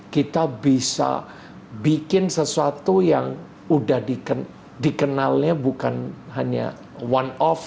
kita bisa bikin sesuatu yang udah dikenalnya bukan hanya one off